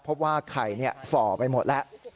พบว่าไข่ฝ่อไปหมดแล้ว